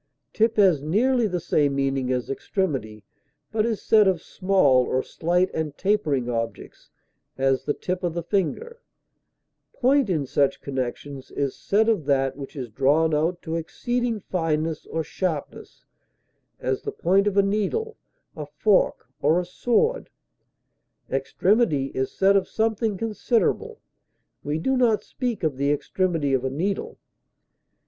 Tip has nearly the same meaning as extremity, but is said of small or slight and tapering objects; as, the tip of the finger; point in such connections is said of that which is drawn out to exceeding fineness or sharpness, as the point of a needle, a fork, or a sword; extremity is said of something considerable; we do not speak of the extremity of a needle.